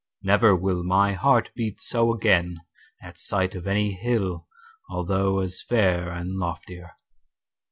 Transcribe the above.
Never will My heart beat so again at sight Of any hill although as fair And loftier.